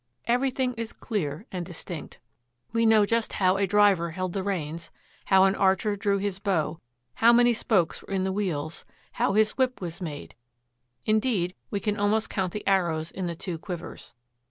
Everything is clear and distinct. We know just how a driver held the reins, how an archer drew his bow, how many spokes were in the wheels, how his whip was made, indeed, we can almost count the arrows in the two quivers.